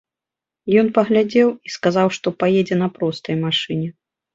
Ён паглядзеў і сказаў, што паедзе на простай машыне.